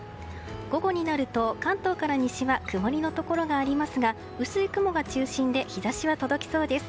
午後になると関東から西は曇りのところがありますが薄い雲が中心で日差しは届きそうです。